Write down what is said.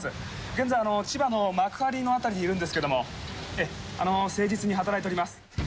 現在、千葉の幕張の辺りにいるんですけれども、誠実に働いております。